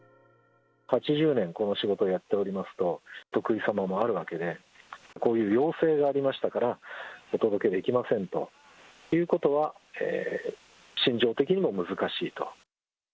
８０年、この仕事をやっておりますと、お得意様もあるわけで、こういう要請がありましたからお届けできませんということは心情的にも難しいと。